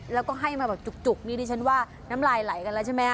แล้วก็ให้มาแบบจุกนี่ดิฉันว่าน้ำลายไหลกันแล้วใช่ไหมฮ